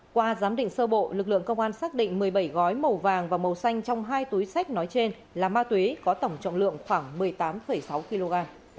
qua giám định sơ bộ lực lượng công an xác định một mươi bảy gói màu vàng và màu xanh trong hai túi sách nói trên là ma túy có tổng trọng lượng khoảng một mươi tám sáu kg